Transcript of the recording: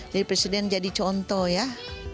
jadi presiden jadi contoh